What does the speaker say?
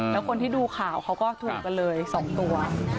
แล้วคนที่ดูข่าวเขาก็ถูกกันเลย๒ตัว